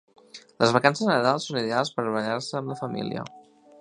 Les vacances de Nadal són ideals per barallar-se amb la famíla